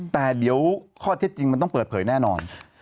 แต่เดี๋ยวข้อเท็จจริงมันต้องเปิดเผยแน่นอน